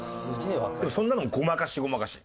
でもそんなのもごまかしごまかし。